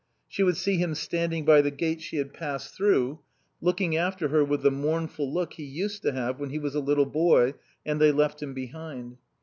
She would see him standing by the gate she had passed through, looking after her with the mournful look he used to have when he was a little boy and they left him behind.